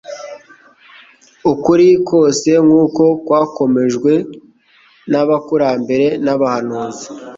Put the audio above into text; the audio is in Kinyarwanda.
Ukuri kose nkuko kwakomejwe n'abakurambere n'abahanuzi,